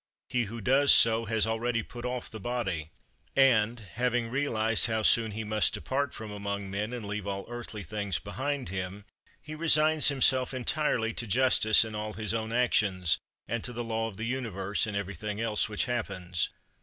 He who does so has already put off the body; and, having realized how soon he must depart from among men and leave all earthly things behind him, he resigns himself entirely to justice in all his own actions, and to the law of the Universe in everything else which happens.